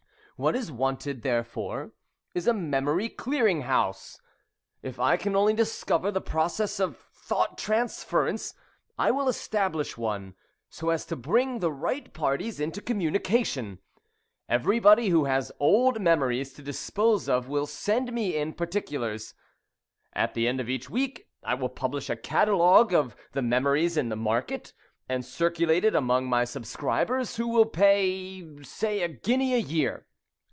What is wanted, therefore, is a Memory Clearing House. If I can only discover the process of thought transference, I will establish one, so as to bring the right parties into communication. Everybody who has old memories to dispose of will send me in particulars. At the end of each week I will publish a catalogue of the memories in the market, and circulate it among my subscribers, who will pay, say, a guinea a year.